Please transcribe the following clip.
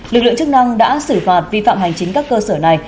lực lượng chức năng đã xử phạt vi phạm hành chính các cơ sở này